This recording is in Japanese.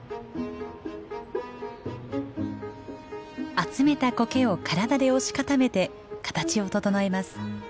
集めたコケを体で押し固めて形を整えます。